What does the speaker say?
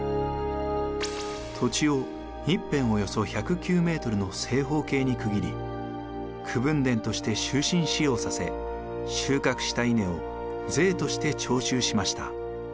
土地を１辺およそ１０９ｍの正方形に区切り口分田として終身使用させ収穫した稲を税として徴収しました。